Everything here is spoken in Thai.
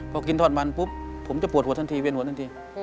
พอกินทอดมันปุ๊บผมจะปวดหัวทันทีเวียนหัวทันที